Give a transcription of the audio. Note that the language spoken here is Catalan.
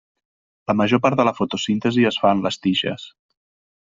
La major part de la fotosíntesi es fa en les tiges.